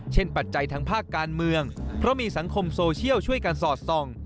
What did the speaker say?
ปัจจัยทางภาคการเมืองเพราะมีสังคมโซเชียลช่วยกันสอดส่อง